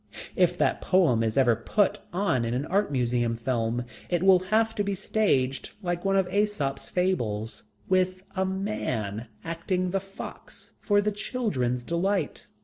If that poem is ever put on in an Art Museum film, it will have to be staged like one of Æsop's Fables, with a man acting the Fox, for the children's delight.